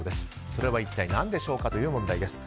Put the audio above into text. それは一体何でしょうかという問題です。